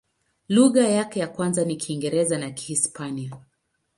Lugha yake ya kwanza ni Kiingereza na Kihispania.